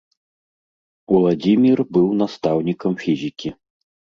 Уладзімір быў настаўнікам фізікі.